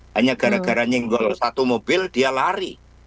hanya gara gara nyenggol satu mobil dia lari